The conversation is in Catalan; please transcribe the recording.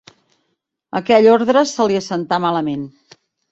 Aquella ordre se li assentà malament.